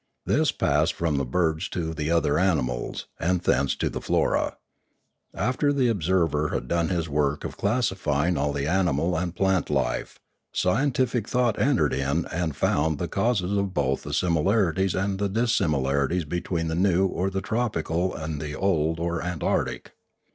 This passed from the birds to the other animals, and thence to the flora. After the observer had done his work of classifying all the animal and plant life, scientific thought entered in and found the causes of both the similarities and the dissimilarities between the new or tropical and the old or antarctic.